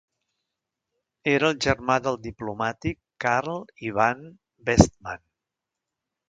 Era el germà del diplomàtic Karl Ivan Westman.